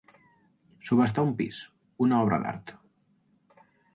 Subhastar un pis, una obra d'art.